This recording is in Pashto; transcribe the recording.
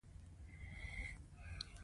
د الوتکو منظم الوتنې هم هلته ډیرې محدودې دي